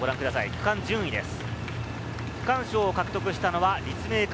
区間順位です。